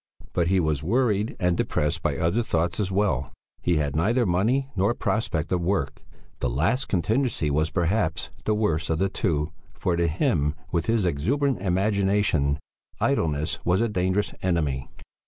But he was worried and depressed by other thoughts as well. He had neither money nor prospect of work. The last contingency was, perhaps, the worse of the two, for to him, with his exuberant imagination, idleness was a dangerous enemy.